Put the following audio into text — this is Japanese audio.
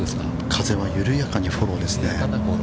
◆風は緩やかにフォローですね。